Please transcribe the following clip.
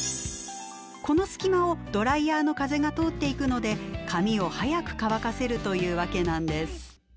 この隙間をドライヤーの風が通っていくので髪を早く乾かせるというわけなんです。